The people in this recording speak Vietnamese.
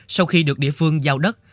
sau khi được địa phương giao đất